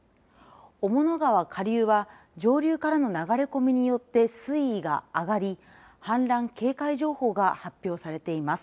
雄物川下流は上流からの流れ込みによって水位が上がり氾濫警戒情報が発表されています。